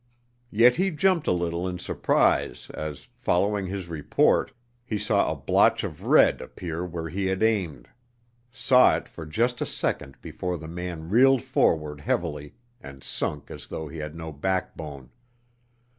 Yet he jumped a little in surprise as, following his report, he saw a blotch of red appear where he had aimed saw it for just a second before the man reeled forward heavily and sunk as though he had no backbone.